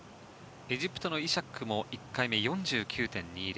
エジプトのイシャックも１回目は４９．２０。